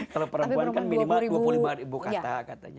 kalau perempuan kan minimal dua puluh lima ribu kata katanya